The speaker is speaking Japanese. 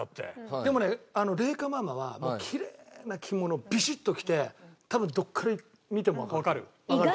でもねレイカママはきれいな着物をビシッと着て多分どこから見てもわかる。